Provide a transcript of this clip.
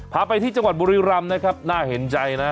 พาไปที่จังหวัดบุรีรำนะครับน่าเห็นใจนะ